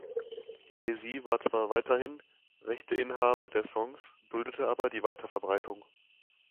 Jay-Z war zwar weiterhin Rechteinhaber der Songs, duldete aber die Weiterverbreitung.